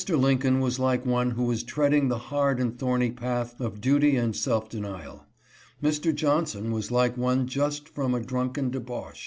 Lincoln was like one who was treading the hard and thorny path of duty and self denial ; Mr. Johnson was like one just from a drunken debauch.